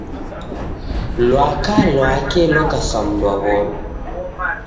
Lwaka lwake loka sa mundu wa w'omi.